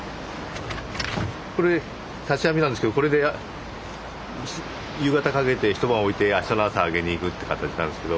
これ刺し網なんですけどこれで夕方かけて一晩おいてあしたの朝あげに行くって形なんですけど。